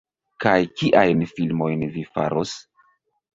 Kaj kiajn filmojn vi faros?